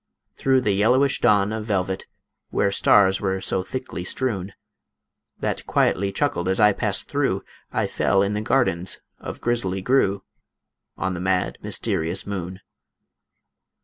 Through the yellowish dawn of velvet Where stars were so thickly strewn. That quietly chuckled as I passed through, I fell in the gardens of Grizzly Gru, On the mad, mysterious moon.